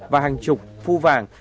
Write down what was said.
và hàng chục phu vàng